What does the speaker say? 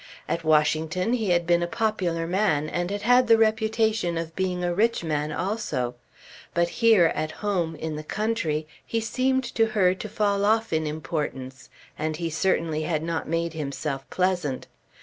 At Washington he had been a popular man and had had the reputation of being a rich man also; but here, at home, in the country he seemed to her to fall off in importance, and he certainly had not made himself pleasant.